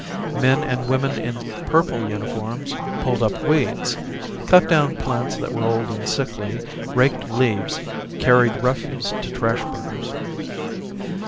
Men and women in purple uniforms pulled up weeds, cut down plants that were old and sickly, raked leaves, carried refuse to trash burners.